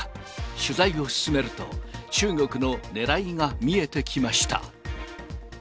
取材を進めると、中国のねらいが見えてきました。